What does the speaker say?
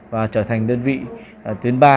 và trở thành đơn vị tuyến ba